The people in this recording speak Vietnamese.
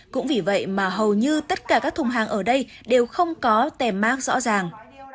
cũng vì vậy mà hầu như tất cả các thùng hàng ở đây đều không có tem mát rõ ràng